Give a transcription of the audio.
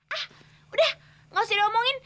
ah udah gak usah diomongin